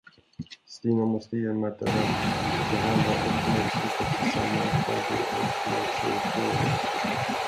Stina måste ge Märta rätt, det här var ett motstycke till sammanträdet om förlossningsvården.